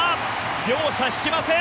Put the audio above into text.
両者引きません。